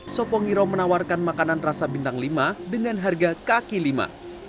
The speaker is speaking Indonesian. sopongiro menawarkan makanan rasa bintang lima dengan harga kaki lima